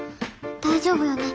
大丈夫よね。